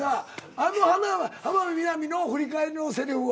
あの浜辺美波の振り返りのセリフは。